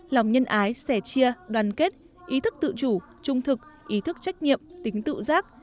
lòng nhân ái sẻ chia đoàn kết ý thức tự chủ trung thực ý thức trách nhiệm tính tự giác